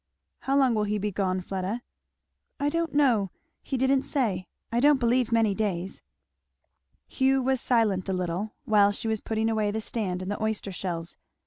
"How long will he be gone, Fleda?" "I don't know he didn't say. I don't believe many days." Hugh was silent a little while she was putting away the stand and the oyster shells.